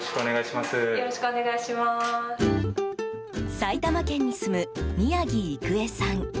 埼玉県に住む宮城いくえさん。